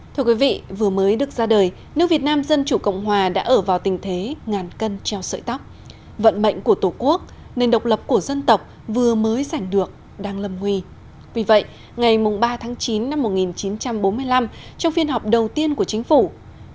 thưa quý vị vừa mới được ra đời nước việt nam dân chủ cộng hòa đã ở vào tình thế ngàn cân treo sợi tóc